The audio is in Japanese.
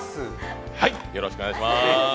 はいっ、よろしくお願いします。